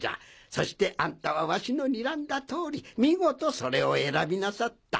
そしてあんたはワシのにらんだ通り見事それを選びなさった。